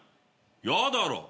嫌だろ。